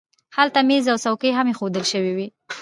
هلته مېز او څوکۍ هم اېښودل شوي وو